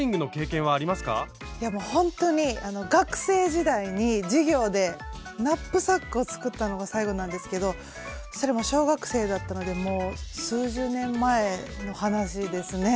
いやもうほんとに学生時代に授業でナップサックを作ったのが最後なんですけどそれも小学生だったのでもう数十年前の話ですね。